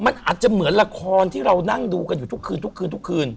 อาจจะเหมือนละครที่เรานั่งดูกันอยู่ทุกคืน